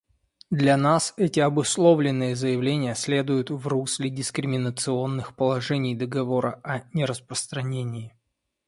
Для нас эти обусловленные заявления следуют в русле дискриминационных положений Договора о нераспространении.